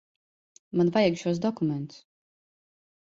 Man vajag šos dokumentus.